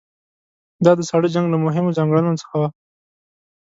دا د ساړه جنګ له مهمو ځانګړنو څخه وه.